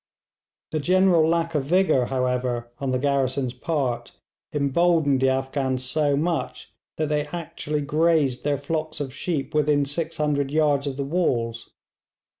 The general lack of vigour, however, on the garrison's part emboldened the Afghans so much that they actually grazed their flocks of sheep within 600 yards of the walls.